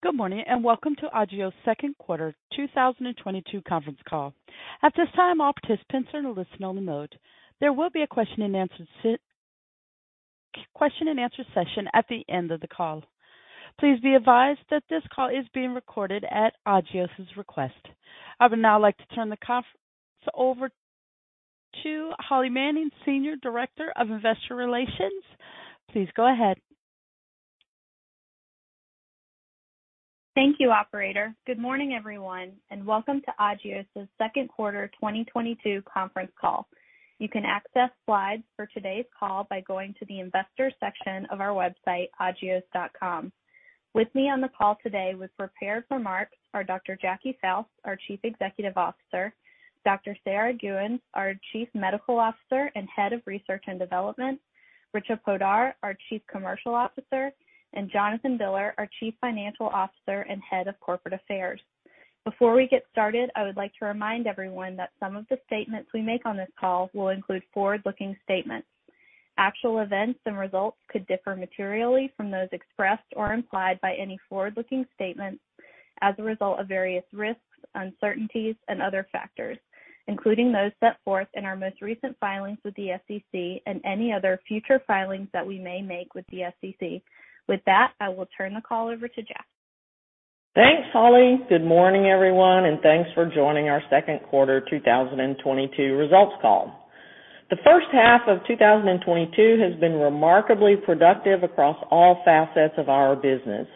Good morning, and welcome to Agios' second quarter 2022 conference call. At this time, all participants are in a listen-only mode. There will be a question and answer session at the end of the call. Please be advised that this call is being recorded at Agios' request. I would now like to turn the conference over to Holly Manning, Senior Director of Investor Relations. Please go ahead. Thank you, operator. Good morning, everyone, and welcome to Agios' second quarter 2022 conference call. You can access slides for today's call by going to the investor section of our website, agios.com. With me on the call today with prepared remarks are Dr. Jackie Fouse, our Chief Executive Officer; Dr. Sarah Gheuens, our Chief Medical Officer and Head of Research and Development; Richa Poddar, our Chief Commercial Officer; and Jonathan Biller, our Chief Financial Officer and Head of Corporate Affairs. Before we get started, I would like to remind everyone that some of the statements we make on this call will include forward-looking statements. Actual events and results could differ materially from those expressed or implied by any forward-looking statements as a result of various risks, uncertainties, and other factors, including those set forth in our most recent filings with the SEC and any other future filings that we may make with the SEC. With that, I will turn the call over to Jackie. Thanks, Holly. Good morning, everyone, and thanks for joining our second quarter 2022 results call. The first half of 2022 has been remarkably productive across all facets of our business.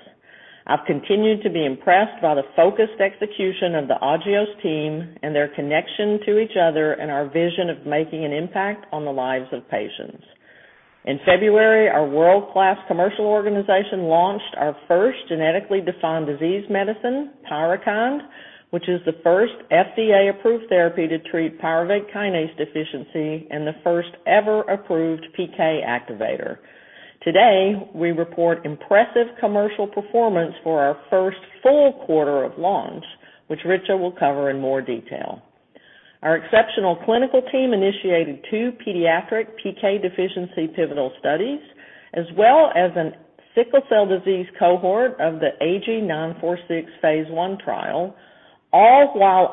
I've continued to be impressed by the focused execution of the Agios team and their connection to each other and our vision of making an impact on the lives of patients. In February, our world-class commercial organization launched our first genetically defined disease medicine, PYRUKYND, which is the first FDA-approved therapy to treat pyruvate kinase deficiency and the first ever approved PK activator. Today, we report impressive commercial performance for our first full quarter of launch, which Richa will cover in more detail. Our exceptional clinical team initiated two pediatric PK deficiency pivotal studies as well as a sickle cell disease cohort of the AG-946 phase I trial, all while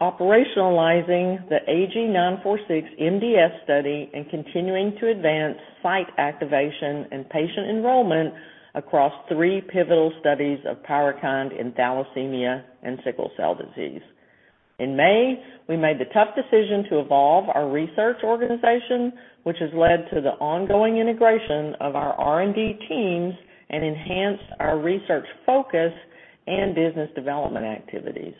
operationalizing the AG-946 MDS study and continuing to advance site activation and patient enrollment across three pivotal studies of PYRUKYND in thalassemia and sickle cell disease. In May, we made the tough decision to evolve our research organization, which has led to the ongoing integration of our R&D teams and enhanced our research focus and business development activities.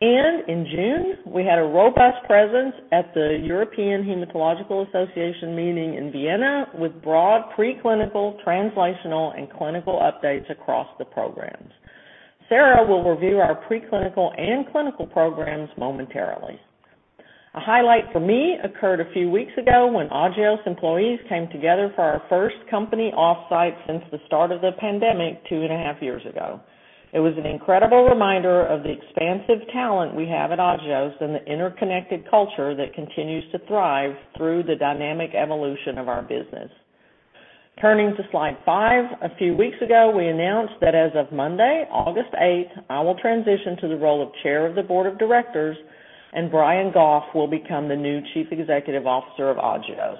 In June, we had a robust presence at the European Hematology Association meeting in Vienna with broad preclinical, translational, and clinical updates across the programs. Sarah will review our preclinical and clinical programs momentarily. A highlight for me occurred a few weeks ago when Agios employees came together for our first company off-site since the start of the pandemic two and a half years ago. It was an incredible reminder of the expansive talent we have at Agios and the interconnected culture that continues to thrive through the dynamic evolution of our business. Turning to slide five, a few weeks ago, we announced that as of Monday, August 8, I will transition to the role of Chair of the Board of Directors, and Brian Goff will become the new Chief Executive Officer of Agios.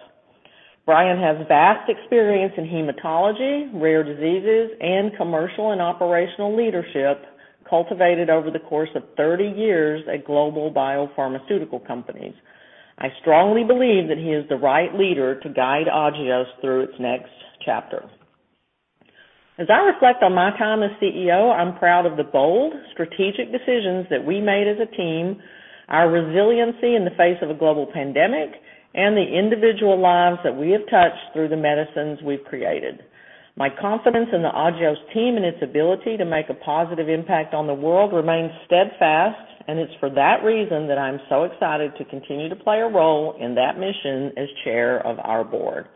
Brian has vast experience in hematology, rare diseases, and commercial and operational leadership cultivated over the course of 30 years at global biopharmaceutical companies. I strongly believe that he is the right leader to guide Agios through its next chapter. As I reflect on my time as CEO, I'm proud of the bold strategic decisions that we made as a team, our resiliency in the face of a global pandemic, and the individual lives that we have touched through the medicines we've created. My confidence in the Agios team and its ability to make a positive impact on the world remains steadfast, and it's for that reason that I'm so excited to continue to play a role in that mission as Chair of our Board.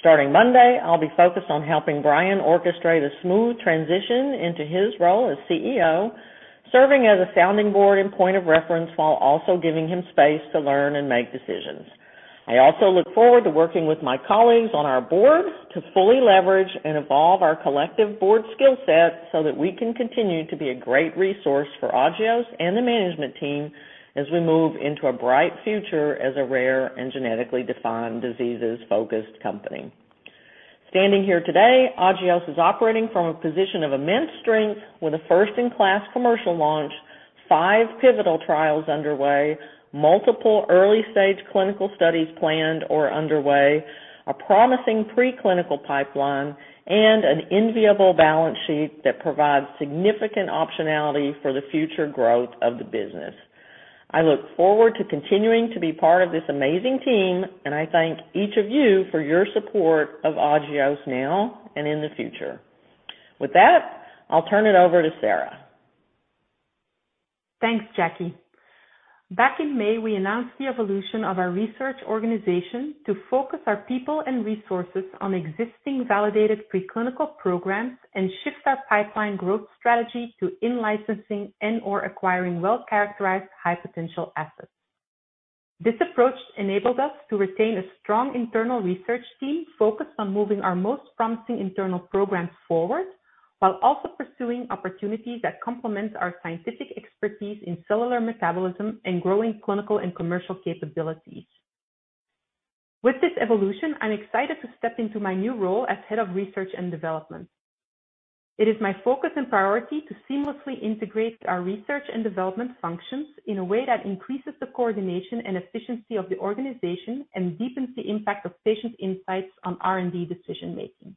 Starting Monday, I'll be focused on helping Brian orchestrate a smooth transition into his role as CEO, serving as a sounding board and point of reference while also giving him space to learn and make decisions. I also look forward to working with my colleagues on our board to fully leverage and evolve our collective board skill set so that we can continue to be a great resource for Agios and the management team as we move into a bright future as a rare and genetically defined diseases-focused company. Standing here today, Agios is operating from a position of immense strength with a first-in-class commercial launch, five pivotal trials underway, multiple early-stage clinical studies planned or underway, a promising preclinical pipeline, and an enviable balance sheet that provides significant optionality for the future growth of the business. I look forward to continuing to be part of this amazing team, and I thank each of you for your support of Agios now and in the future. With that, I'll turn it over to Sarah. Thanks, Jackie. Back in May, we announced the evolution of our research organization to focus our people and resources on existing validated preclinical programs and shift our pipeline growth strategy to in-licensing and/or acquiring well-characterized high-potential assets. This approach enabled us to retain a strong internal research team focused on moving our most promising internal programs forward while also pursuing opportunities that complement our scientific expertise in cellular metabolism and growing clinical and commercial capabilities. With this evolution, I'm excited to step into my new role as Head of Research and Development. It is my focus and priority to seamlessly integrate our research and development functions in a way that increases the coordination and efficiency of the organization and deepens the impact of patient insights on R&D decision-making.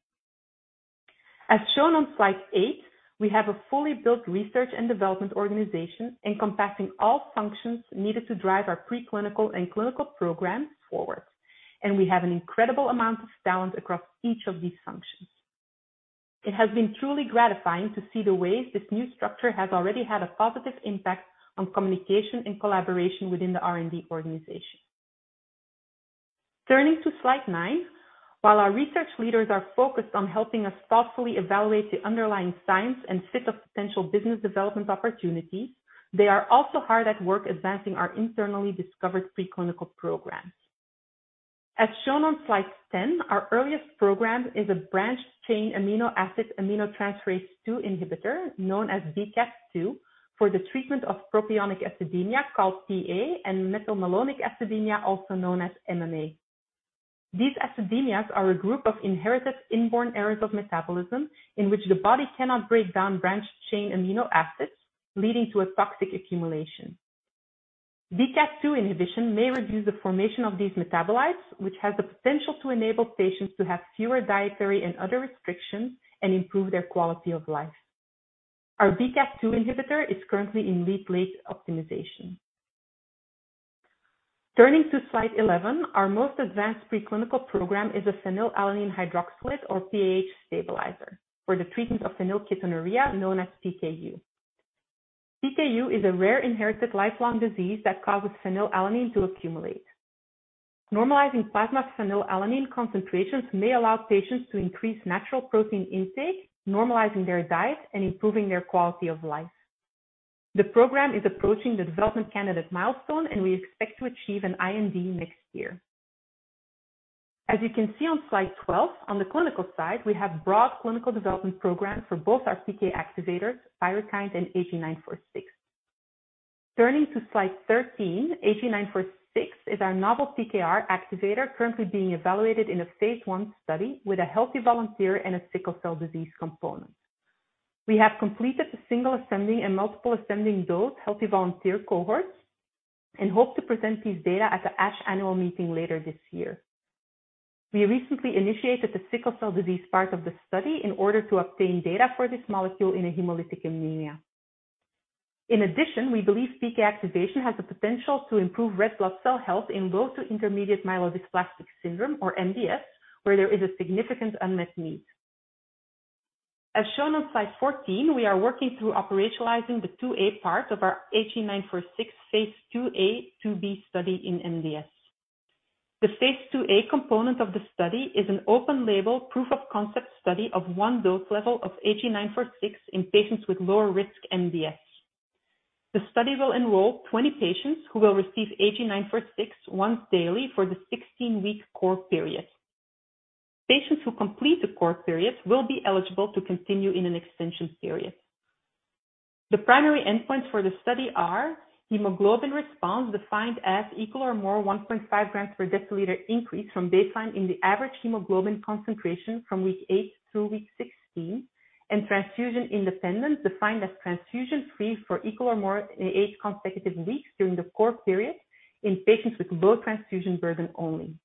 As shown on slide eight, we have a fully built research and development organization encompassing all functions needed to drive our preclinical and clinical programs forward, and we have an incredible amount of talent across each of these functions. It has been truly gratifying to see the ways this new structure has already had a positive impact on communication and collaboration within the R&D organization. Turning to slide nine. While our research leaders are focused on helping us thoughtfully evaluate the underlying science and fit of potential business development opportunities, they are also hard at work advancing our internally discovered preclinical programs. As shown on slide 10, our earliest program is a branched-chain amino acid aminotransferase two inhibitor, known as BCAT2, for the treatment of propionic acidemia, called PA, and methylmalonic acidemia, also known as MMA. These acidemias are a group of inherited inborn errors of metabolism in which the body cannot break down branched-chain amino acids, leading to a toxic accumulation. BCAT2 inhibition may reduce the formation of these metabolites, which has the potential to enable patients to have fewer dietary and other restrictions and improve their quality of life. Our BCAT2 inhibitor is currently in lead-late optimization. Turning to slide 11, our most advanced preclinical program is a phenylalanine hydroxylase or PAH stabilizer for the treatment of phenylketonuria, known as PKU. PKU is a rare inherited lifelong disease that causes phenylalanine to accumulate. Normalizing plasma phenylalanine concentrations may allow patients to increase natural protein intake, normalizing their diet and improving their quality of life. The program is approaching the development candidate milestone, and we expect to achieve an IND next year. As you can see on slide 12, on the clinical side, we have broad clinical development programs for both our PK activators, PYRUKYND and AG-946. Turning to slide 13, AG-946 is our novel PKR activator currently being evaluated in a phase I study with a healthy volunteer and a sickle cell disease component. We have completed the single ascending and multiple ascending dose healthy volunteer cohorts and hope to present these data at the ASH Annual Meeting later this year. We recently initiated the sickle cell disease part of the study in order to obtain data for this molecule in a hemolytic anemia. In addition, we believe PK activation has the potential to improve red blood cell health in low to intermediate myelodysplastic syndrome, or MDS, where there is a significant unmet need. As shown on slide 14, we are working through operationalizing the 2a part of our AG-946 phase II-A/II-B study in MDS. The phase II-A component of the study is an open-label proof of concept study of one dose level of AG-946 in patients with lower risk MDS. The study will enroll 20 patients who will receive AG-946 once daily for the 16-week core period. Patients who complete the core period will be eligible to continue in an extension period. The primary endpoints for the study are hemoglobin response, defined as equal or more 1.5 grams per deciliter increase from baseline in the average hemoglobin concentration from week eight through week 16, and transfusion independence, defined as transfusion-free for equal or more 8 consecutive weeks during the core period in patients with low transfusion burden only.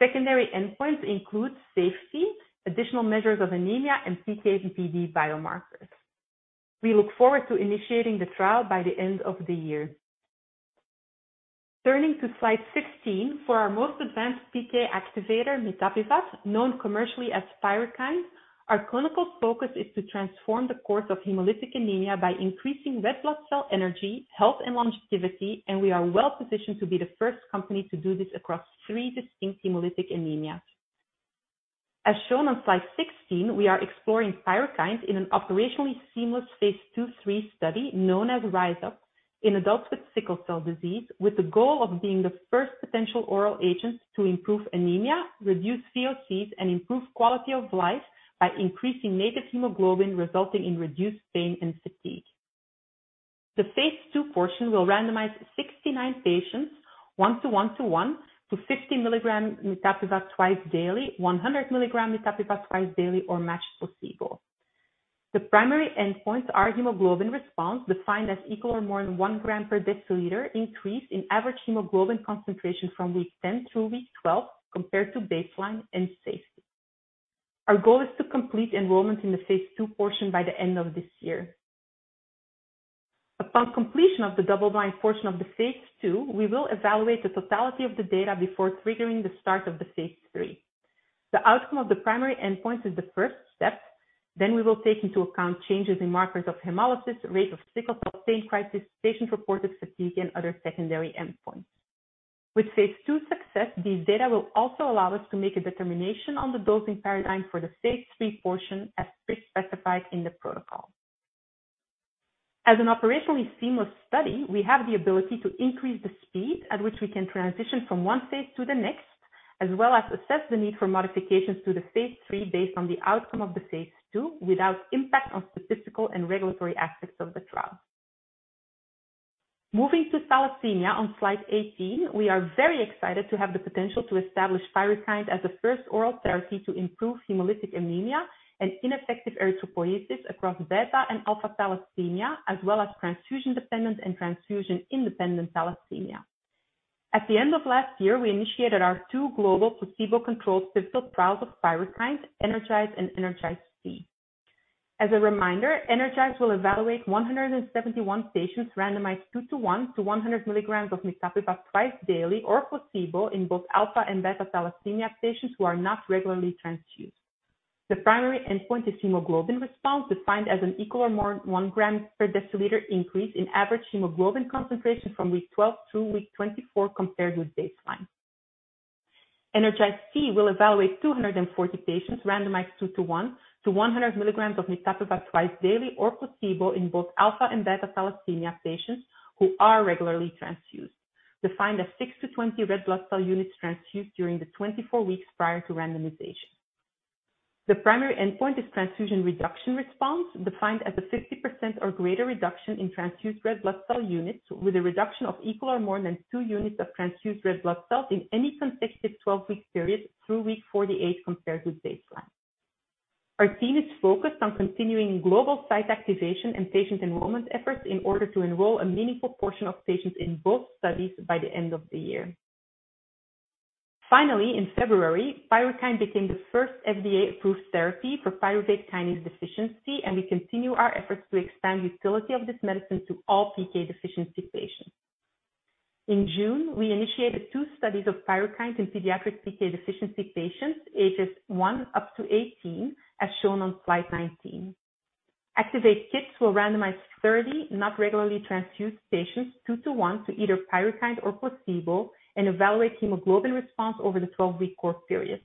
Secondary endpoints include safety, additional measures of anemia, and PK and PD biomarkers. We look forward to initiating the trial by the end of the year. Turning to slide 16, for our most advanced PK activator, mitapivat, known commercially as PYRUKYND, our clinical focus is to transform the course of hemolytic anemia by increasing red blood cell energy, health and longevity, and we are well-positioned to be the first company to do this across three distinct hemolytic anemias. As shown on slide 16, we are exploring PYRUKYND in an operationally seamless phase II/III study known RISE UP in adults with sickle cell disease, with the goal of being the first potential oral agent to improve anemia, reduce VOCs, and improve quality of life by increasing native hemoglobin, resulting in reduced pain and fatigue. The phase II portion will randomize 69 patients 1:1:1 to 50 mg mitapivat twice daily, 100 milligrams mitapivat twice daily, or matched placebo. The primary endpoints are hemoglobin response, defined as equal or more than 1 gram per deciliter increase in average hemoglobin concentration from week 10 through week 12 compared to baseline and safety. Our goal is to complete enrollment in the phase II portion by the end of this year. Upon completion of the double-blind portion of the phase II, we will evaluate the totality of the data before triggering the start of the phase III. The outcome of the primary endpoint is the first step. We will take into account changes in markers of hemolysis, rate of sickle cell pain crisis, patient-reported fatigue, and other secondary endpoints. With phase II success, these data will also allow us to make a determination on the dosing paradigm for the phase III portion as pre-specified in the protocol. As an operationally seamless study, we have the ability to increase the speed at which we can transition from one phase to the next, as well as assess the need for modifications to the phase III based on the outcome of the phase II without impact on statistical and regulatory aspects of the trial. Moving to thalassemia on slide 18, we are very excited to have the potential to establish PYRUKYND as the first oral therapy to improve hemolytic anemia and ineffective erythropoiesis across beta and alpha thalassemia, as well as transfusion-dependent and transfusion-independent thalassemia. At the end of last year, we initiated our two global placebo-controlled pivotal trials of PYRUKYND, ENERGIZE and ENERGIZE-T. As a reminder, ENERGIZE will evaluate 171 patients randomized 2:1 to 100 mg of mitapivat twice daily or placebo in both alpha and beta thalassemia patients who are not regularly transfused. The primary endpoint is hemoglobin response, defined as an equal or more 1 gram per deciliter increase in average hemoglobin concentration from week 12 through week 24 compared with baseline. ENERGIZE-T will evaluate 240 patients randomized 2:1 to 100 milligrams of mitapivat twice daily or placebo in both alpha and beta thalassemia patients who are regularly transfused, defined as six to 20 red blood cell units transfused during the 24 weeks prior to randomization. The primary endpoint is transfusion reduction response, defined as a 50% or greater reduction in transfused red blood cell units with a reduction of equal or more than two units of transfused red blood cells in any consecutive 12-week period through week 48 compared with baseline. Our team is focused on continuing global site activation and patient enrollment efforts in order to enroll a meaningful portion of patients in both studies by the end of the year. Finally, in February, PYRUKYND became the first FDA-approved therapy for pyruvate kinase deficiency, and we continue our efforts to expand utility of this medicine to all PK deficiency patients. In June, we initiated two studies of PYRUKYND in pediatric PK deficiency patients ages one up to 18, as shown on slide 19. ACTIVATE-Kids will randomize 30 not regularly transfused patients 2:1 to either PYRUKYND or placebo and evaluate hemoglobin response over the 12-week core period.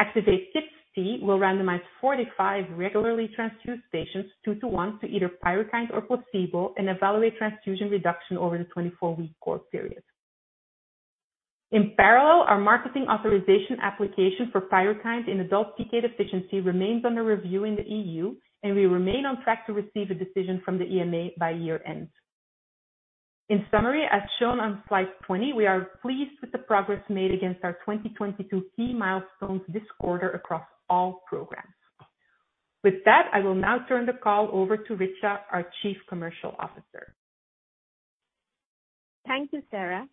ACTIVATE-KidsT will randomize 45 regularly transfused patients 2:1 to either PYRUKYND or placebo and evaluate transfusion reduction over the 24-week core period. In parallel, our marketing authorization application for PYRUKYND in adult PK deficiency remains under review in the EU, and we remain on track to receive a decision from the EMA by year-end. In summary, as shown on slide 20, we are pleased with the progress made against our 2022 key milestones this quarter across all programs. With that, I will now turn the call over to Richa, our Chief Commercial Officer. Thank you, Sarah.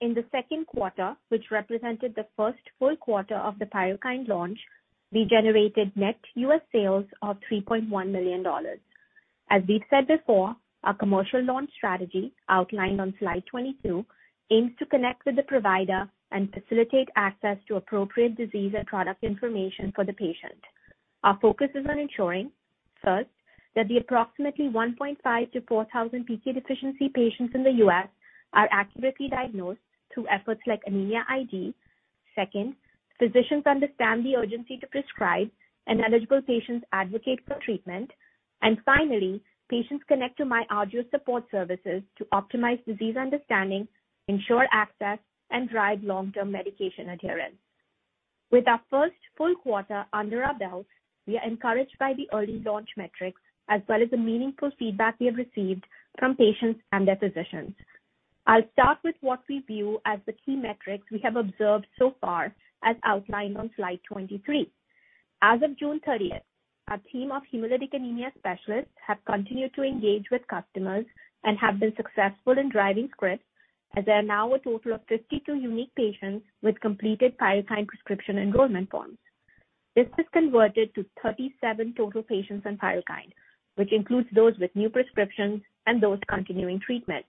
In the second quarter, which represented the first full quarter of the PYRUKYND launch, we generated net U.S. sales of $3.1 million. As we've said before, our commercial launch strategy outlined on slide 22 aims to connect with the provider and facilitate access to appropriate disease and product information for the patient. Our focus is on ensuring, first, that the approximately 1,500-4,000 PK deficiency patients in the U.S. are accurately diagnosed through efforts like Anemia ID. Second, physicians understand the urgency to prescribe, and eligible patients advocate for treatment. Finally, patients connect to myAgios support services to optimize disease understanding, ensure access, and drive long-term medication adherence. With our first full quarter under our belt, we are encouraged by the early launch metrics as well as the meaningful feedback we have received from patients and their physicians. I'll start with what we view as the key metrics we have observed so far as outlined on slide 23. As of June 30th, our team of hemolytic anemia specialists have continued to engage with customers and have been successful in driving scripts, as there are now a total of 52 unique patients with completed PYRUKYND prescription enrollment forms. This is converted to 37 total patients on PYRUKYND, which includes those with new prescriptions and those continuing treatment.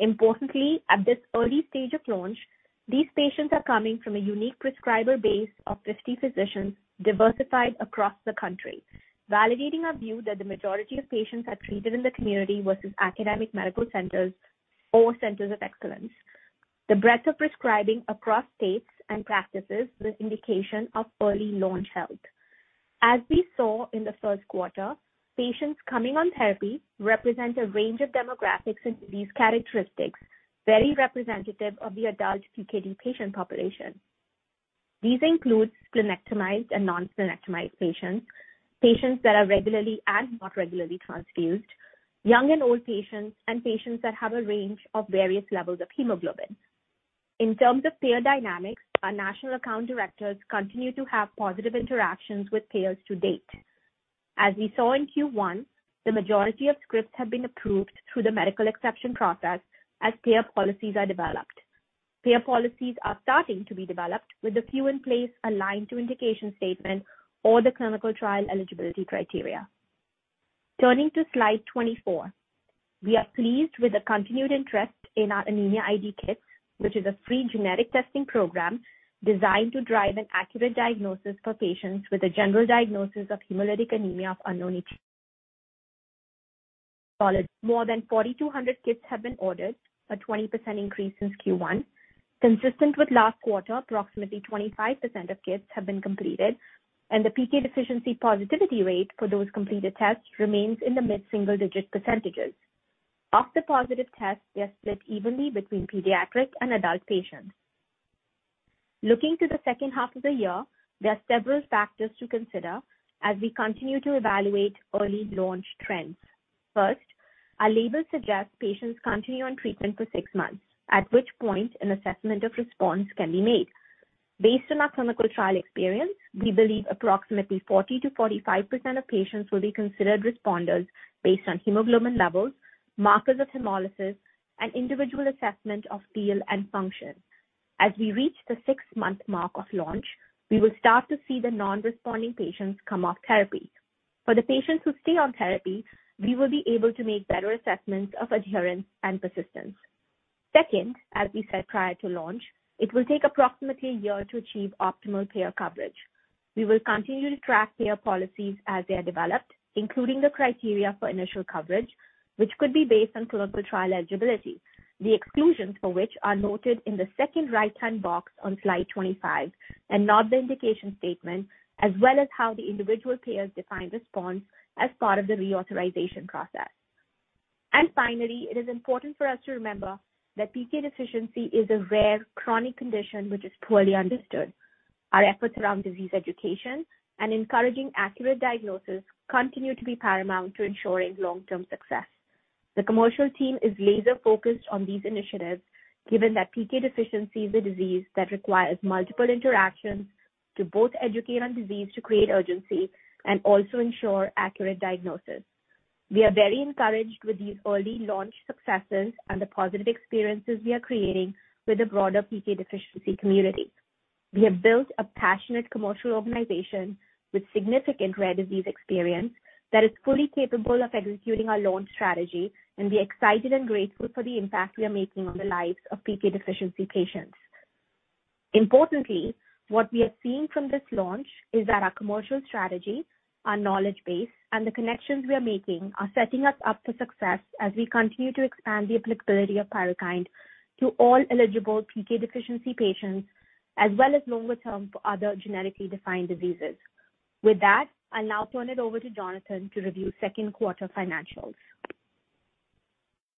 Importantly, at this early stage of launch, these patients are coming from a unique prescriber base of 50 physicians diversified across the country, validating our view that the majority of patients are treated in the community versus academic medical centers or centers of excellence. The breadth of prescribing across states and practices is an indication of early launch health. As we saw in the first quarter, patients coming on therapy represent a range of demographics and disease characteristics, very representative of the adult PK deficiency patient population. These include splenectomized and non-splenectomized patients that are regularly and not regularly transfused, young and old patients, and patients that have a range of various levels of hemoglobin. In terms of payer dynamics, our national account directors continue to have positive interactions with payers to date. As we saw in Q1, the majority of scripts have been approved through the medical exception process as payer policies are developed. Payer policies are starting to be developed with a few in place aligned to indication statement or the clinical trial eligibility criteria. Turning to slide 24. We are pleased with the continued interest in our Anemia ID kit, which is a free genetic testing program designed to drive an accurate diagnosis for patients with a general diagnosis of hemolytic anemia of unknown. More than 4,200 kits have been ordered, a 20% increase since Q1. Consistent with last quarter, approximately 25% of kits have been completed, and the PK deficiency positivity rate for those completed tests remains in the mid-single-digit percentages. Of the positive tests, they are split evenly between pediatric and adult patients. Looking to the second half of the year, there are several factors to consider as we continue to evaluate early launch trends. First, our label suggests patients continue on treatment for six months, at which point an assessment of response can be made. Based on our clinical trial experience, we believe approximately 40%-45% of patients will be considered responders based on hemoglobin levels, markers of hemolysis, and individual assessment of feel and function. As we reach the six-month mark of launch, we will start to see the non-responding patients come off therapy. For the patients who stay on therapy, we will be able to make better assessments of adherence and persistence. Second, as we said prior to launch, it will take approximately a year to achieve optimal payer coverage. We will continue to track payer policies as they are developed, including the criteria for initial coverage, which could be based on clinical trial eligibility, the exclusions for which are noted in the second right-hand box on slide 25, and not the indication statement, as well as how the individual payers define response as part of the reauthorization process. Finally, it is important for us to remember that PK deficiency is a rare chronic condition which is poorly understood. Our efforts around disease education and encouraging accurate diagnosis continue to be paramount to ensuring long-term success. The commercial team is laser-focused on these initiatives, given that PK deficiency is a disease that requires multiple interactions to both educate on disease to create urgency and also ensure accurate diagnosis. We are very encouraged with these early launch successes and the positive experiences we are creating with the broader PK deficiency community. We have built a passionate commercial organization with significant rare disease experience that is fully capable of executing our launch strategy, and we are excited and grateful for the impact we are making on the lives of PK deficiency patients. Importantly, what we are seeing from this launch is that our commercial strategy, our knowledge base, and the connections we are making are setting us up for success as we continue to expand the applicability of PYRUKYND to all eligible PK deficiency patients, as well as longer term for other genetically defined diseases. With that, I'll now turn it over to Jonathan to review second quarter financials.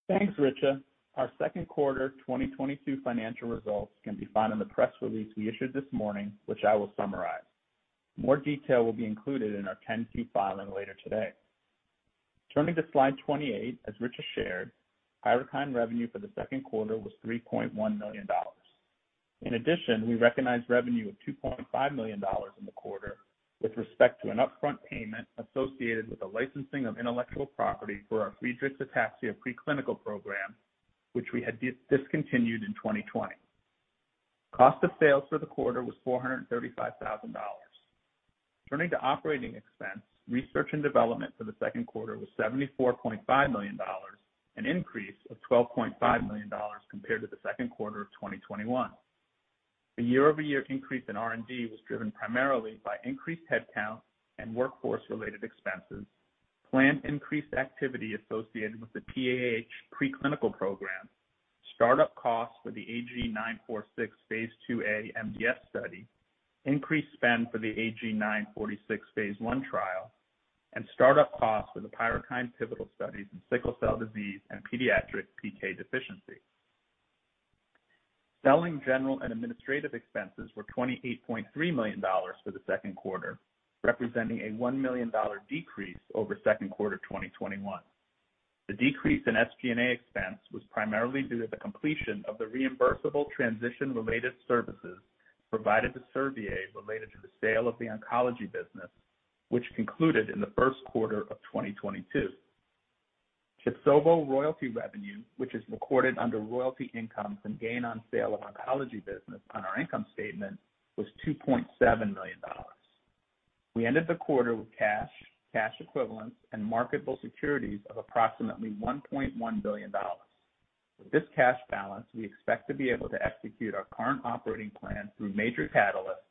Thanks, Richa. Our second quarter 2022 financial results can be found in the press release we issued this morning, which I will summarize. More detail will be included in our 10-Q filing later today. Turning to slide 28, as Richa shared, PYRUKYND revenue for the second quarter was $3.1 million. In addition, we recognized revenue of $2.5 million in the quarter with respect to an upfront payment associated with the licensing of intellectual property for our Friedreich's ataxia preclinical program, which we had discontinued in 2020. Cost of sales for the quarter was $435,000. Turning to operating expense, research and development for the second quarter was $74.5 million, an increase of $12.5 million compared to the second quarter of 2021. The year-over-year increase in R&D was driven primarily by increased headcount and workforce-related expenses, planned increased activity associated with the PAH preclinical program, start-up costs for the AG-946 phase II-A MDS study, increased spend for the AG-946 phase I trial, and start-up costs for the PYRUKYND pivotal studies in sickle cell disease and pediatric PK deficiency. Selling general and administrative expenses were $28.3 million for the second quarter, representing a $1 million decrease over second quarter 2021. The decrease in SG&A expense was primarily due to the completion of the reimbursable transition-related services provided to Servier related to the sale of the oncology business, which concluded in the first quarter of 2022. TIBSOVO royalty revenue, which is recorded under royalty income from gain on sale of oncology business on our income statement, was $2.7 million. We ended the quarter with cash equivalents, and marketable securities of approximately $1.1 billion. With this cash balance, we expect to be able to execute our current operating plan through major catalysts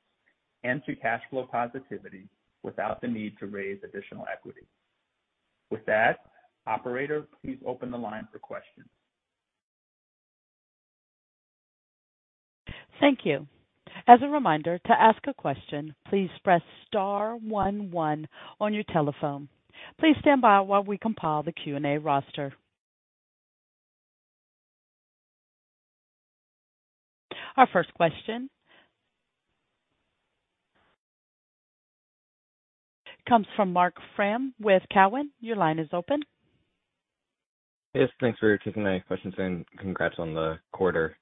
and to cash flow positivity without the need to raise additional equity. With that, operator, please open the line for questions. Thank you. As a reminder, to ask a question, please press star one one on your telephone. Please stand by while we compile the Q&A roster. Our first question comes from Marc Frahm with Cowen. Your line is open. Yes, thanks for taking my questions, and congrats on the quarter.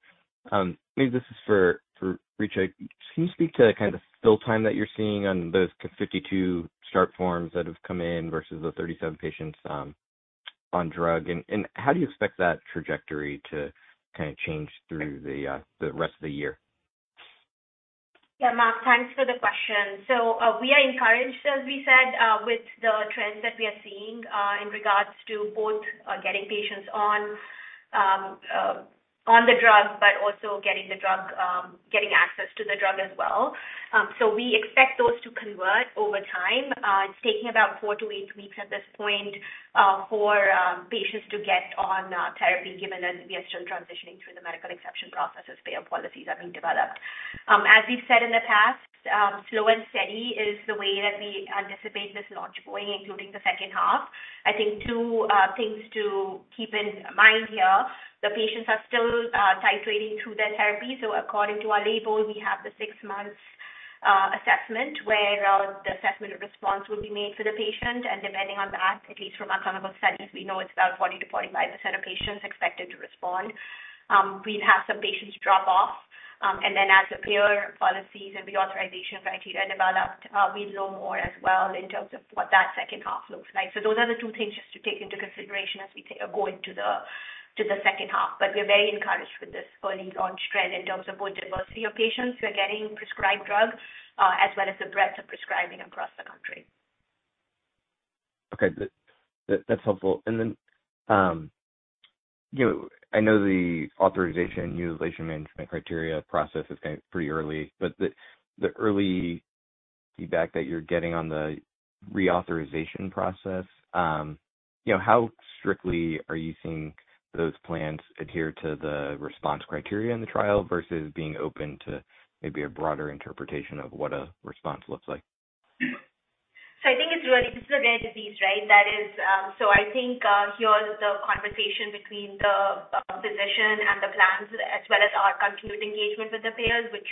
Maybe this is for Richa. Can you speak to kind of the fill time that you're seeing on those 52 start forms that have come in versus the 37 patients on drug? How do you expect that trajectory to kinda change through the rest of the year? Yeah, Mark, thanks for the question. We are encouraged, as we said, with the trends that we are seeing in regards to both getting patients on. On the drug, but also getting the drug, getting access to the drug as well. We expect those to convert over time. It's taking about four to eight weeks at this point for patients to get on therapy, given and we are still transitioning through the medical exception processes. Payer policies are being developed. As we've said in the past, slow and steady is the way that we anticipate this launch going, including the second half. I think two things to keep in mind here. The patients are still titrating through their therapy. According to our label, we have the six-month assessment where the assessment response will be made for the patient. Depending on that, at least from our clinical studies, we know it's about 40%-45% of patients expected to respond. We've had some patients drop off. As the payer policies and reauthorization criteria developed, we'd know more as well in terms of what that second half looks like. Those are the two things just to take into consideration as we go into the second half. We're very encouraged with this early launch trend in terms of both diversity of patients who are getting prescribed drugs, as well as the breadth of prescribing across the country. Okay. That's helpful. You know, I know the prior authorization, utilization management criteria process is kind of pretty early, but the early feedback that you're getting on the reauthorization process, you know, how strictly are you seeing those plans adhere to the response criteria in the trial versus being open to maybe a broader interpretation of what a response looks like? I think it's really. This is a rare disease, right? I think, here, the conversation between the physician and the plans as well as our continued engagement with the payers, which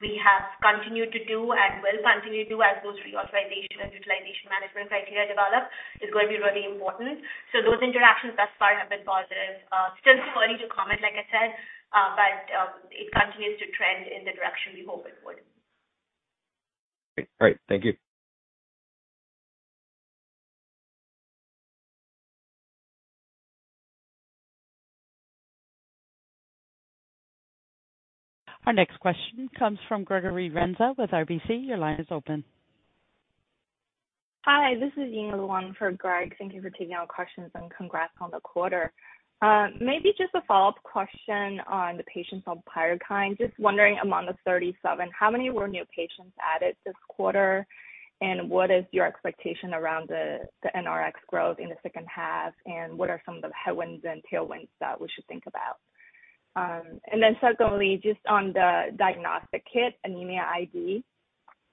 we have continued to do and will continue to do as those reauthorization and utilization management criteria develop, is going to be really important. Those interactions thus far have been positive. Still too early to comment, like I said, but it continues to trend in the direction we hope it would. Great. Thank you. Our next question comes from Gregory Renza with RBC. Your line is open. Hi, this is Ying Huang for Greg. Thank you for taking our questions, and congrats on the quarter. Maybe just a follow-up question on the patients on PYRUKYND. Just wondering, among the 37, how many were new patients added this quarter, and what is your expectation around the NRx growth in the second half, and what are some of the headwinds and tailwinds that we should think about? Secondly, just on the diagnostic kit, Anemia ID,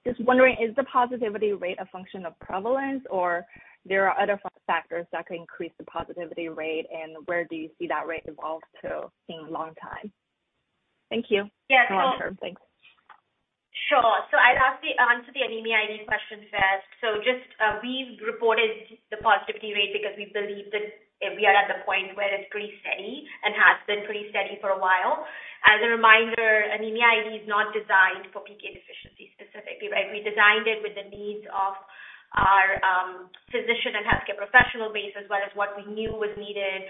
just wondering, is the positivity rate a function of prevalence or there are other factors that could increase the positivity rate and where do you see that rate evolve to in long time? Thank you. Yeah. Long term. Thanks. Sure. I'll answer the Anemia ID question first. Just, we've reported the positivity rate because we believe that we are at the point where it's pretty steady and has been pretty steady for a while. As a reminder, Anemia ID is not designed for PK deficiency specifically, right? We designed it with the needs of our physician and healthcare professional base as well as what we knew was needed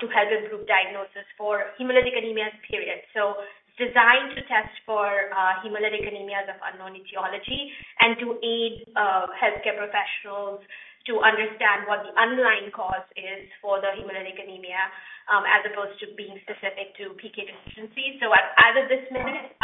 to help improve diagnosis for hemolytic anemias. It's designed to test for hemolytic anemias of unknown etiology and to aid healthcare professionals to understand what the underlying cause is for the hemolytic anemia as opposed to being specific to PK deficiency. As of this minute,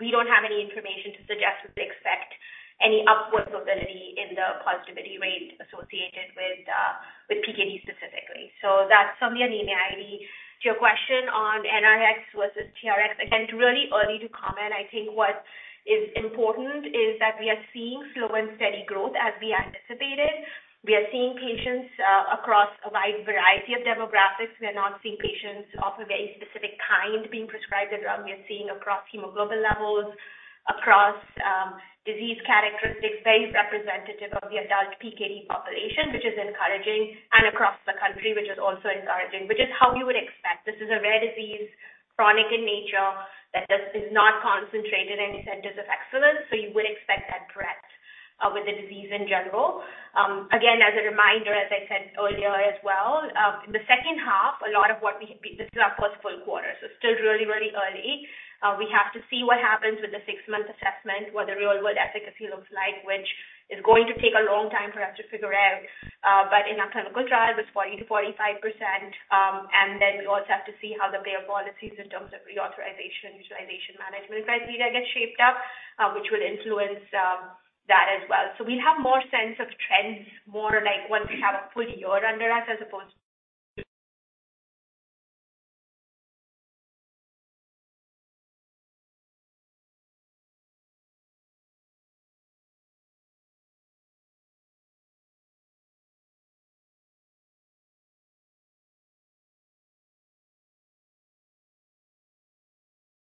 we don't have any information to suggest that they expect any upward mobility in the positivity rate associated with PKD specifically. That's on the Anemia ID. To your question on NRx versus TRx. Again, it's really early to comment. I think what is important is that we are seeing slow and steady growth as we anticipated. We are seeing patients across a wide variety of demographics. We are not seeing patients of a very specific kind being prescribed the drug. We are seeing across hemoglobin levels, across disease characteristics, very representative of the adult PKD population, which is encouraging, and across the country, which is also encouraging, which is how you would expect. This is a rare disease, chronic in nature, that is not concentrated in centers of excellence. You would expect that breadth with the disease in general. Again, as a reminder, as I said earlier as well, in the second half, this is our first full quarter, so still really, really early. We have to see what happens with the six-month assessment, what the real-world efficacy looks like, which is going to take a long time for us to figure out. But in our clinical trial, it was 40%-45%. Then we also have to see how the payer policies in terms of reauthorization, utilization management criteria gets shaped up, which will influence that as well. We'll have more sense of trends, more like once we have a full year under us as opposed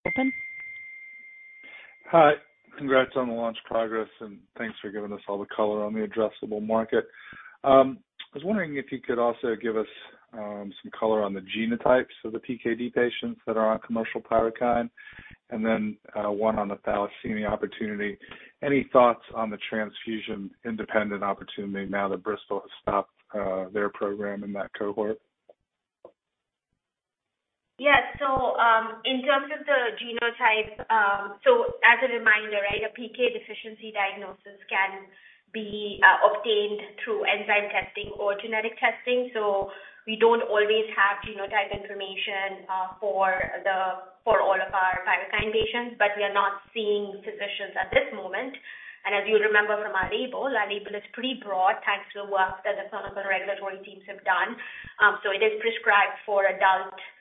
Open. Hi. Congrats on the launch progress, and thanks for giving us all the color on the addressable market. I was wondering if you could also give us some color on the genotypes of the PKD patients that are on commercial PYRUKYND. One on the thalassemia opportunity. Any thoughts on the transfusion-independent opportunity now that Bristol has stopped their program in that cohort? Yes. In terms of the genotype, so as a reminder, right, a PK deficiency diagnosis can be obtained through enzyme testing or genetic testing. We don't always have genotype information for all of our PYRUKYND patients, but we are not seeing physicians at this moment. As you remember from our label, our label is pretty broad, thanks to the work that the clinical regulatory teams have done. It is prescribed for adult PKD patients.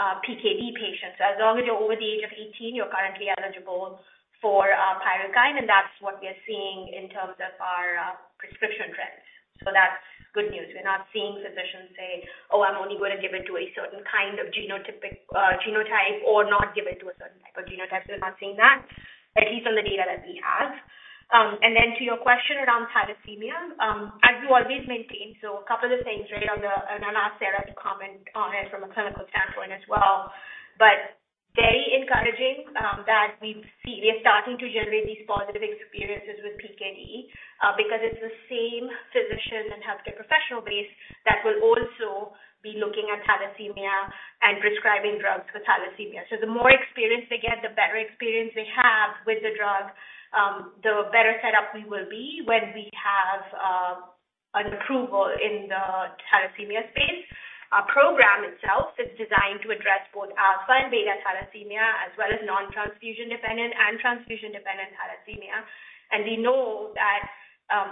As long as you're over the age of 18, you're currently eligible for PYRUKYND, and that's what we are seeing in terms of our prescription trends. That's good news. We're not seeing physicians say, "Oh, I'm only going to give it to a certain kind of genotype or not give it to a certain type of genotype." We're not seeing that, at least on the data that we have. To your question around thalassemia, as you always maintain, a couple of things, right? I'll ask Sarah to comment on it from a clinical standpoint as well. Very encouraging that we see they're starting to generate these positive experiences with PKD, because it's the same physician and healthcare professional base that will also be looking at thalassemia and prescribing drugs for thalassemia. The more experience they get, the better experience they have with the drug, the better set up we will be when we have an approval in the thalassemia space. Our program itself is designed to address both alpha and beta thalassemia, as well as non-transfusion dependent and transfusion dependent thalassemia. We know that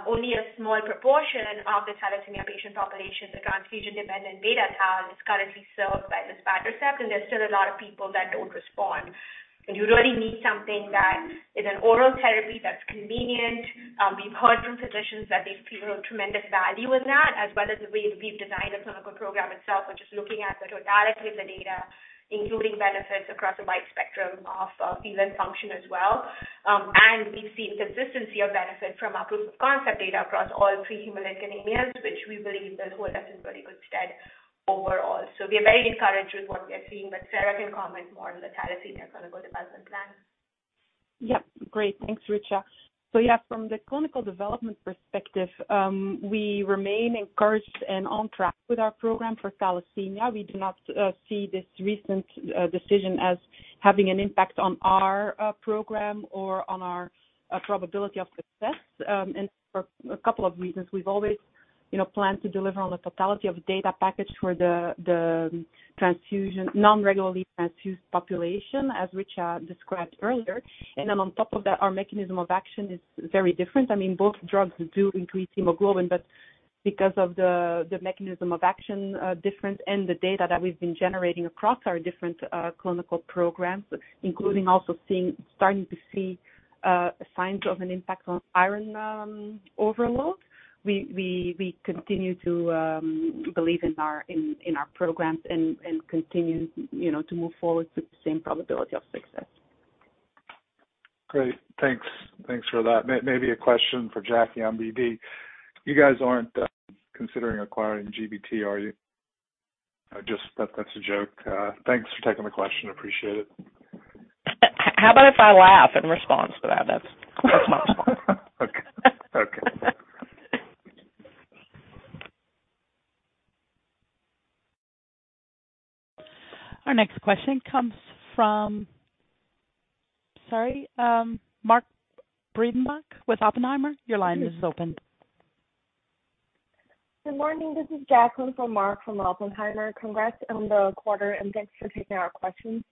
only a small proportion of the thalassemia patient population, the transfusion dependent beta thalassemia is currently served by Luspatercept, and there's still a lot of people that don't respond. You really need something that is an oral therapy that's convenient. We've heard from physicians that they feel tremendous value with that, as well as the way we've designed the clinical program itself. We're just looking at the totality of the data, including benefits across a wide spectrum of liver function as well. We've seen consistency of benefit from our proof of concept data across all hemolytic anemias, which we believe will hold up in very good stead overall. We are very encouraged with what we are seeing, but Sarah can comment more on the thalassemia clinical development plan. Yep. Great. Thanks, Richa. Yeah, from the clinical development perspective, we remain encouraged and on track with our program for thalassemia. We do not see this recent decision as having an impact on our program or on our probability of success, and for a couple of reasons. We've always, you know, planned to deliver on the totality of data package for the non-regularly transfused population, as Richa described earlier. Then on top of that, our mechanism of action is very different. I mean, both drugs do increase hemoglobin, but because of the mechanism of action difference and the data that we've been generating across our different clinical programs, including also starting to see signs of an impact on iron overload. We continue to believe in our programs and continue, you know, to move forward with the same probability of success. Great. Thanks. Thanks for that. Maybe a question for Jackie on BD. You guys aren't considering acquiring GBT, are you? Just that's a joke. Thanks for taking the question. Appreciate it. How about if I laugh in response to that? That's Okay. Our next question comes from. Sorry, Mark Breidenbach with Oppenheimer. Your line is open. Good morning. This is [Jaclyn] for Mark from Oppenheimer. Congrats on the quarter, and thanks for taking our questions.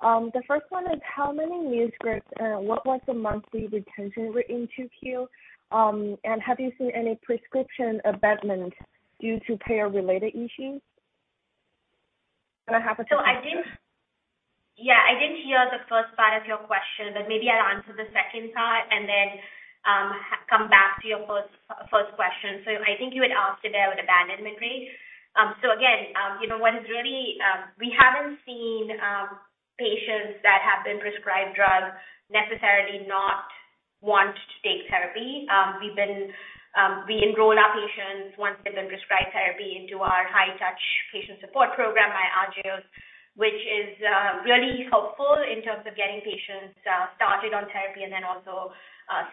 The first one is how many new scripts, what was the monthly retention rate in 2Q? And have you seen any prescription abandonment due to payer-related issues? I have a second question. I didn't hear the first part of your question, but maybe I'll answer the second part and then come back to your first question. I think you had asked about abandonment rate. You know what is really, we haven't seen patients that have been prescribed drugs necessarily not want to take therapy. We enroll our patients once they've been prescribed therapy into our high touch patient support program by Agios, which is really helpful in terms of getting patients started on therapy and then also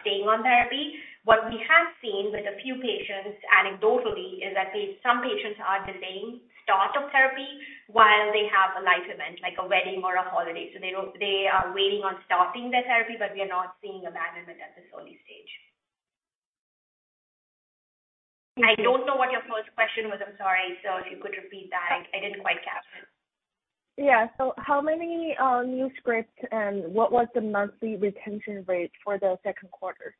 staying on therapy. What we have seen with a few patients anecdotally is that some patients are delaying start of therapy while they have a life event, like a wedding or a holiday. They are waiting on starting their therapy, but we are not seeing abandonment at this early stage. I don't know what your first question was. I'm sorry. If you could repeat that. I didn't quite capture it. Yeah. How many new scripts, and what was the monthly retention rate for the second quarter?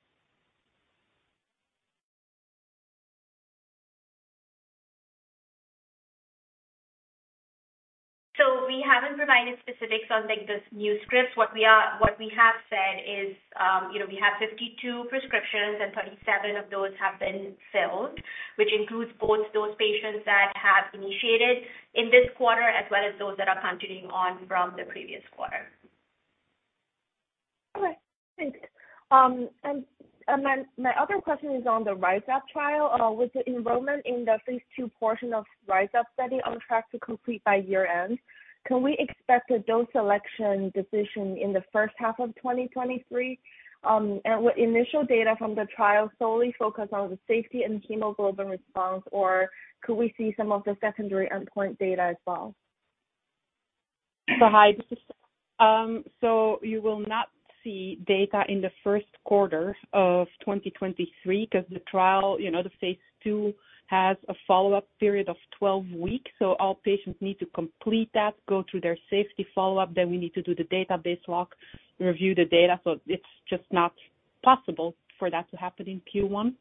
We haven't provided specifics on, like, this new scripts. What we have said is, you know, we have 52 prescriptions, and 37 of those have been filled, which includes both those patients that have initiated in this quarter as well as those that are continuing on from the previous quarter. Okay, thanks. My other question is on RISE UP trial. Was the enrollment in the phase II portion RISE UP study on track to complete by year-end? Can we expect a dose selection decision in the first half of 2023? Will initial data from the trial solely focus on the safety and hemoglobin response, or could we see some of the secondary endpoint data as well? Hi, this is Sarah. You will not see data in the first quarter of 2023 because the trial, you know, the phase II has a follow-up period of 12 weeks. All patients need to complete that, go through their safety follow-up, then we need to do the database lock, review the data. It's just not possible for that to happen in Q1.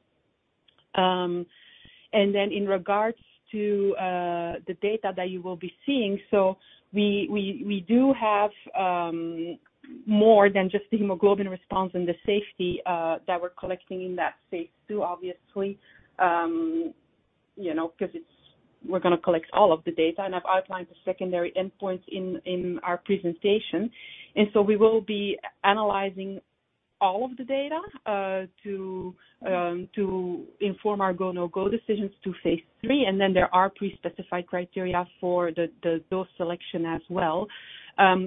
In regards to the data that you will be seeing. We do have more than just the hemoglobin response and the safety that we're collecting in that phase II, obviously, you know, because we're gonna collect all of the data and I've outlined the secondary endpoints in our presentation. We will be analyzing all of the data to inform our go, no-go decisions to phase III. There are pre-specified criteria for the dose selection as well.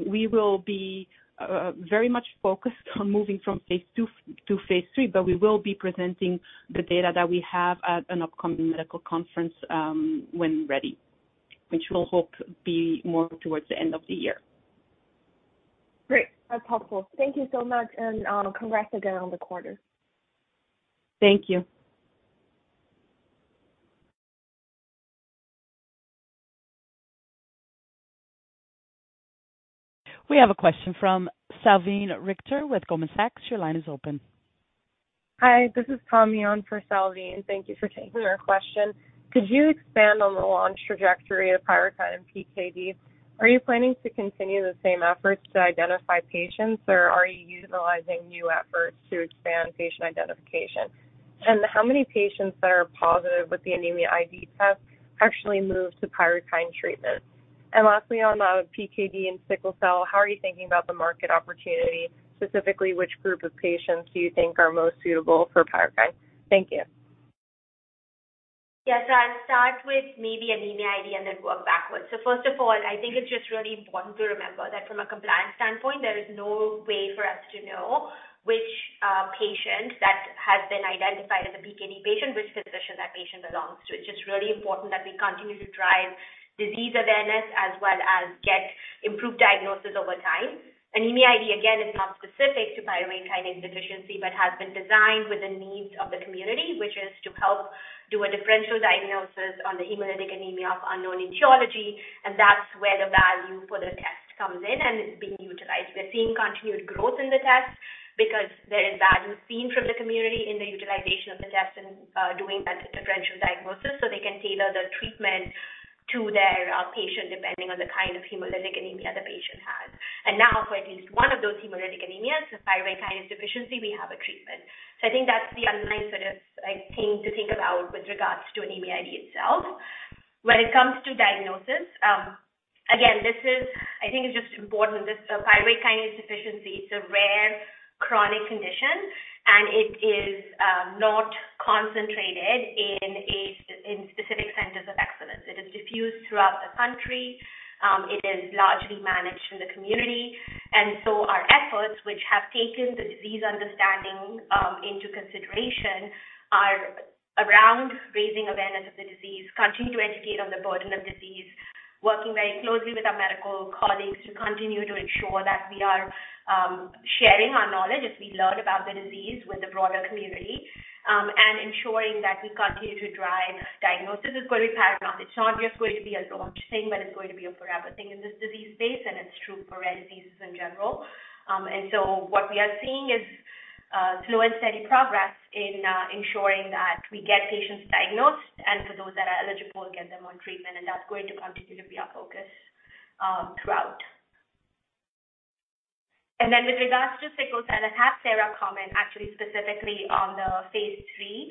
We will be very much focused on moving from phase II to phase III, but we will be presenting the data that we have at an upcoming medical conference when ready, which we hope will be more towards the end of the year. Great. That's helpful. Thank you so much, and congrats again on the quarter. Thank you. We have a question from Salveen Richter with Goldman Sachs. Your line is open. Hi, this is Tami on for Salveen. Thank you for taking our question. Could you expand on the launch trajectory of PYRUKYND in PKD? Are you planning to continue the same efforts to identify patients, or are you utilizing new efforts to expand patient identification? How many patients that are positive with the Anemia ID test actually move to PYRUKYND treatment? Lastly, on PKD and sickle cell, how are you thinking about the market opportunity, specifically, which group of patients do you think are most suitable for PYRUKYND? Thank you. Yes. I'll start with maybe Anemia ID and then work backwards. First of all, I think it's just really important to remember that from a compliance standpoint, there is no way for us to know which patient that has been identified as a PKD patient, which physician that patient belongs to. It's just really important that we continue to drive disease awareness as well as get improved diagnosis over time. Anemia ID, again, is not specific to pyruvate kinase deficiency, but has been designed with the needs of the community, which is to help do a differential diagnosis on the hemolytic anemia of unknown etiology. That's where the value for the test comes in and is being utilized. We're seeing continued growth in the test because there is value seen from the community in the utilization of the test and doing that differential diagnosis, so they can tailor the treatment to their patient depending on the kind of hemolytic anemia the patient has. Now for at least one of those hemolytic anemias, the pyruvate kinase deficiency, we have a treatment. I think that's the underlying sort of, like, thing to think about with regards to Anemia ID itself. When it comes to diagnosis, again, this is I think it's just important. This pyruvate kinase deficiency, it's a rare chronic condition, and it is not concentrated in specific centers of excellence. It is diffused throughout the country. It is largely managed in the community. Our efforts, which have taken the disease understanding into consideration, are around raising awareness of the disease, continue to educate on the burden of disease, working very closely with our medical colleagues to continue to ensure that we are sharing our knowledge as we learn about the disease with the broader community, and ensuring that we continue to drive diagnosis is going to be paramount. It's not just going to be a launch thing, but it's going to be a forever thing in this disease space, and it's true for rare diseases in general. What we are seeing is slow and steady progress in ensuring that we get patients diagnosed and for those that are eligible, get them on treatment. That's going to continue to be our focus throughout. With regards to sickle cell, I'll have Sarah comment actually specifically on the phase III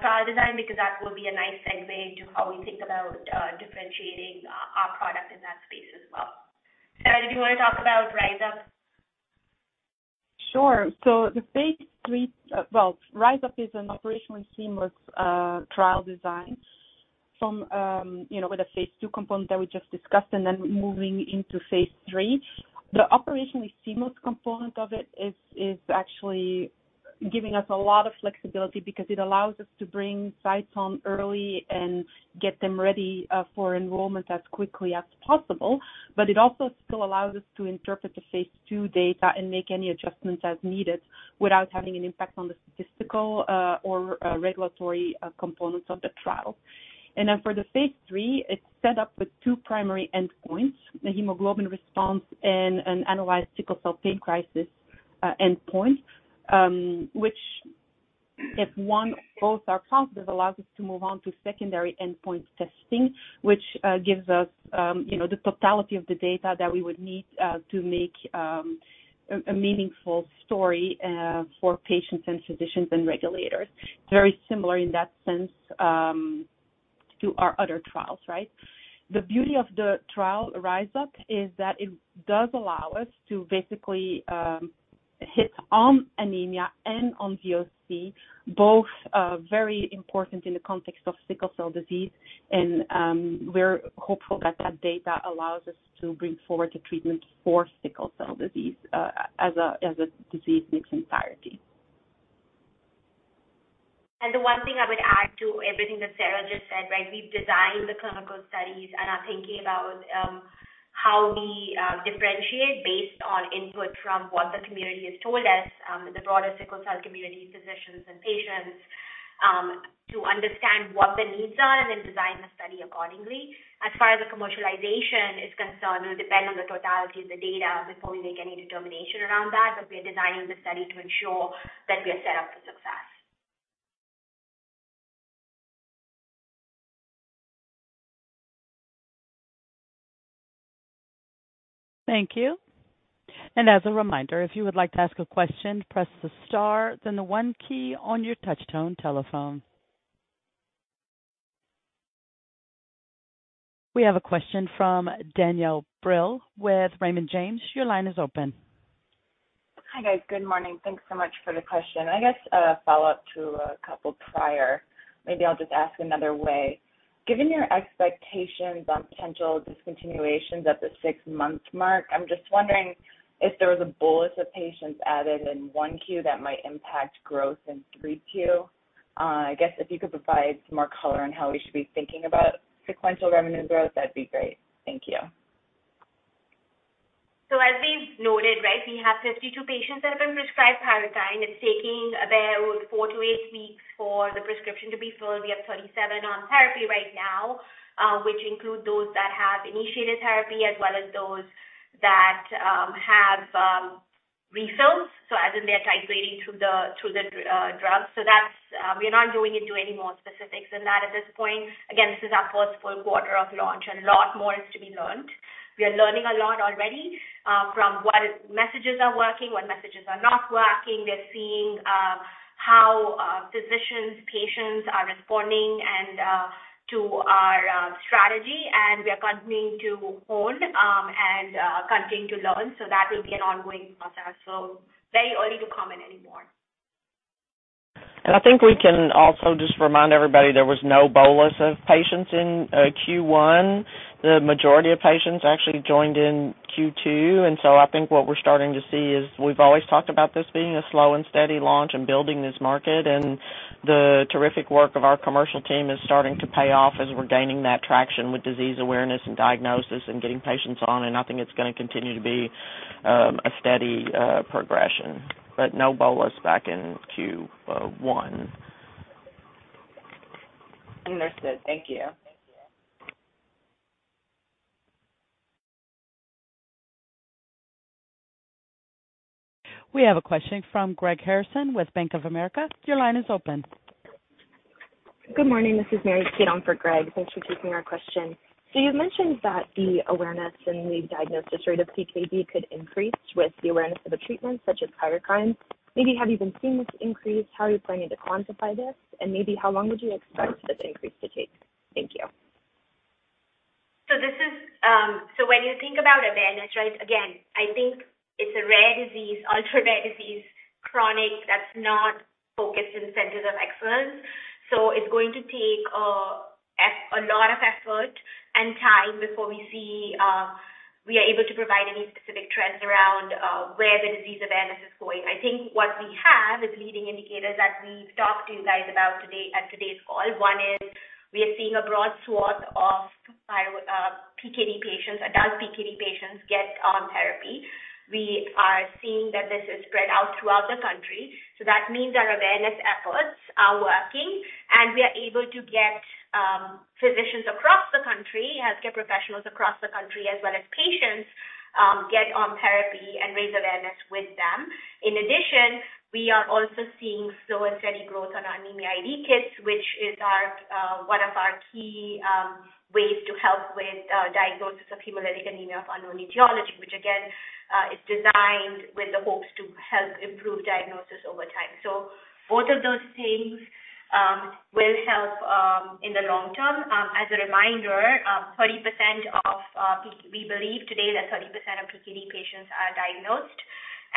trial design, because that will be a nice segue into how we think about differentiating our product in that space as well. Sarah, do you wanna talk about RISE UP? Sure. RISE UP is an operationally seamless trial design from, you know, with a phase II component that we just discussed, and then moving into phase III. The operationally seamless component of it is actually giving us a lot of flexibility because it allows us to bring sites on early and get them ready for enrollment as quickly as possible. It also still allows us to interpret the phase II data and make any adjustments as needed without having an impact on the statistical or regulatory components of the trial. For the phase III, it's set up with two primary endpoints, the hemoglobin response and an annualized sickle cell pain crisis endpoint, which if one or both are positive, allows us to move on to secondary endpoint testing, which gives us, you know, the totality of the data that we would need to make a meaningful story for patients and physicians and regulators, very similar in that sense to our other trials, right? The beauty of the trial RISE UP is that it does allow us to basically hit on anemia and on VOC, both very important in the context of sickle cell disease. We're hopeful that that data allows us to bring forward a treatment for sickle cell disease as a disease in its entirety. The one thing I would add to everything that Sarah just said, right, we've designed the clinical studies and are thinking about how we differentiate based on input from what the community has told us, the broader sickle cell community physicians and patients, to understand what the needs are and then design the study accordingly. As far as the commercialization is concerned, it'll depend on the totality of the data before we make any determination around that. We are designing the study to ensure that we are set up for success. Thank you. As a reminder, if you would like to ask a question, press the star then the one key on your touch-tone telephone. We have a question from Danielle Brill with Raymond James. Your line is open. Hi, guys. Good morning. Thanks so much for the question. I guess a follow-up to a couple prior. Maybe I'll just ask another way. Given your expectations on potential discontinuations at the six-month mark, I'm just wondering if there was a bolus of patients added in 1Q that might impact growth in 3Q. I guess if you could provide some more color on how we should be thinking about sequential revenue growth, that'd be great. Thank you. As we've noted, right, we have 52 patients that have been prescribed PYRUKYND. It's taking about four to eight weeks for the prescription to be filled. We have 37 on therapy right now, which include those that have initiated therapy as well as those that have refills. As in, they're titrating through the drugs. That's. We're not going into any more specifics than that at this point. Again, this is our first full quarter of launch, and a lot more is to be learned. We are learning a lot already from what messages are working, what messages are not working. We're seeing how physicians, patients are responding and to our strategy. And we are continuing to hone and continue to learn. That will be an ongoing process. Very early to comment anymore. I think we can also just remind everybody there was no bolus of patients in Q1. The majority of patients actually joined in Q2. I think what we're starting to see is we've always talked about this being a slow and steady launch and building this market. The terrific work of our commercial team is starting to pay off as we're gaining that traction with disease awareness and diagnosis and getting patients on. I think it's gonna continue to be a steady progression, but no bolus back in Q1. Understood. Thank you. We have a question from Greg Harrison with Bank of America. Your line is open. Good morning. This is Mary Kate on for Greg. Thanks for taking our question. You've mentioned that the awareness and the diagnosis rate of PKD could increase with the awareness of a treatment such as PYRUKYND. Maybe have you been seeing this increase? How are you planning to quantify this? Maybe how long would you expect such increase to take? Thank you. When you think about awareness, right, again, I think it's a rare disease, ultra-rare disease, chronic, that's not focused in centers of excellence. It's going to take a lot of effort and time before we see we are able to provide any specific trends around where the disease awareness is going. I think what we have is leading indicators that we've talked to you guys about today at today's call. One is we are seeing a broad swath of PKD patients, adult PKD patients get on therapy. We are seeing that this is spread out throughout the country. That means our awareness efforts are working, and we are able to get physicians across the country, healthcare professionals across the country as well as patients get on therapy and raise awareness with them. In addition, we are also seeing slow and steady growth on our Anemia ID kits, which is one of our key ways to help with diagnosis of hemolytic anemia of unknown etiology, which again is designed with the hopes to help improve diagnosis over time. Both of those things will help in the long term. As a reminder, we believe today that 30% of PKD patients are diagnosed,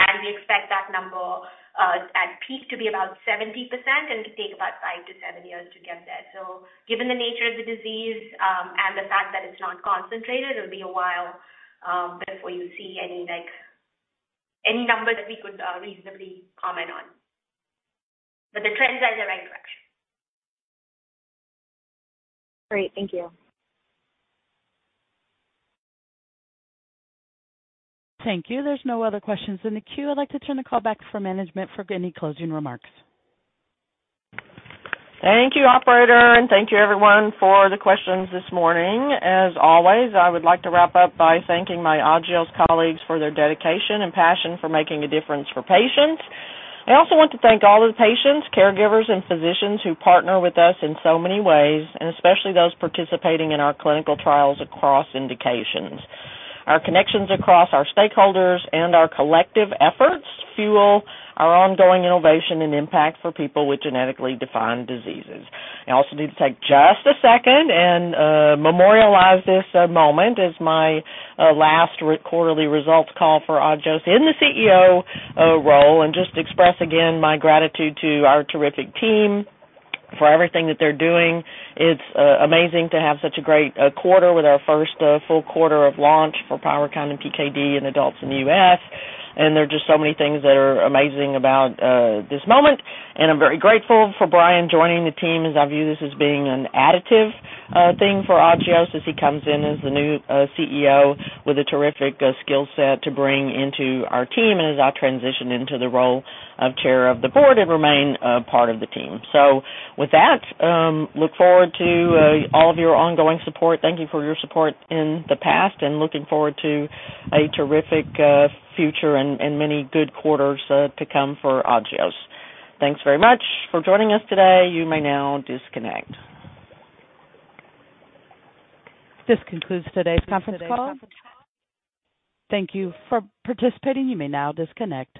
and we expect that number at peak to be about 70% and to take about five to seven years to get there. Given the nature of the disease, and the fact that it's not concentrated, it'll be a while before you see any, like, number that we could reasonably comment on. The trends are in the right direction. Great. Thank you. Thank you. There's no other questions in the queue. I'd like to turn the call back for management for any closing remarks. Thank you, operator, and thank you everyone for the questions this morning. As always, I would like to wrap up by thanking myAgios colleagues for their dedication and passion for making a difference for patients. I also want to thank all the patients, caregivers, and physicians who partner with us in so many ways, and especially those participating in our clinical trials across indications. Our connections across our stakeholders and our collective efforts fuel our ongoing innovation and impact for people with genetically defined diseases. I also need to take just a second and memorialize this moment as my last quarterly results call for Agios in the CEO role and just express again my gratitude to our terrific team for everything that they're doing. It's amazing to have such a great quarter with our first full quarter of launch for PYRUKYND and PKD in adults in the U.S. There are just so many things that are amazing about this moment. I'm very grateful for Brian joining the team, as I view this as being an additive thing for Agios as he comes in as the new CEO with a terrific skill set to bring into our team and as I transition into the role of chair of the board and remain a part of the team. With that, look forward to all of your ongoing support. Thank you for your support in the past and looking forward to a terrific future and many good quarters to come for Agios. Thanks very much for joining us today. You may now disconnect. This concludes today's conference call. Thank you for participating. You may now disconnect.